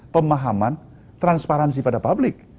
pemahaman transparansi pada publik